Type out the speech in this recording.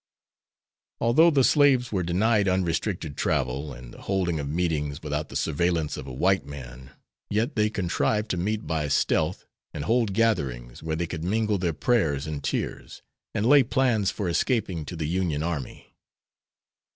Although the slaves were denied unrestricted travel, and the holding of meetings without the surveillance of a white man, yet they contrived to meet by stealth and hold gatherings where they could mingle their prayers and tears, and lay plans for escaping to the Union army.